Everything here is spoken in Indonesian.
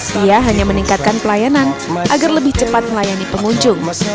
dia hanya meningkatkan pelayanan agar lebih cepat melayani pengunjung